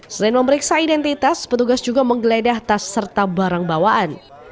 selain memeriksa identitas petugas juga menggeledah tas serta barang bawaan